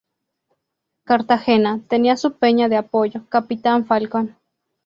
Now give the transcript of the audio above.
Cartagena, tenía su peña de apoyo "Capitán Falcón".